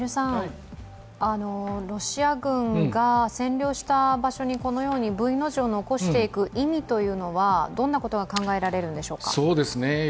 ロシア軍が占領した場所にこのようにＶの字を残していく意味というのはどんなことが考えられるんでしょうか？